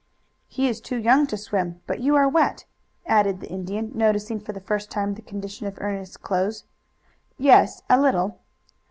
"He is too young to swim. But you are wet," added the Indian, noticing for the first time the condition of Ernest's clothes. "Yes, a little."